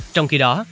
trong khi đó